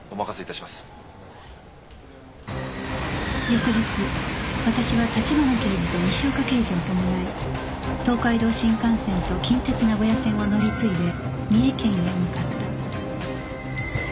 翌日私は立花刑事と西岡刑事を伴い東海道新幹線と近鉄名古屋線を乗り継いで三重県へ向かった